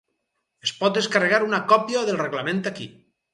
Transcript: Es pot descarregar una còpia del reglament aquí.